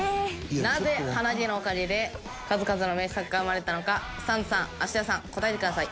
なぜ鼻毛のおかげで数々の名作が生まれたのかサンドさん芦田さん答えてください。